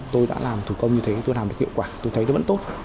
tôi đã làm thủ công như thế tôi làm được hiệu quả tôi thấy nó vẫn tốt